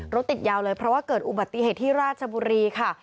ติดยาวเลยเพราะว่าเกิดอุบัติเหตุที่ราชบุรีค่ะ